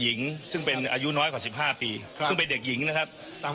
หญิงซึ่งเป็นอายุน้อยกว่า๑๕ปีซึ่งเป็นเด็กหญิงนะครับ